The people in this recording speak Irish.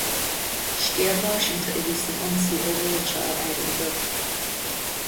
Scéal náisiúnta a bhí san ionsaí ó bhéal seo ar Aire na Gaeltachta.